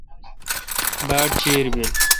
باڑ چیر بل۔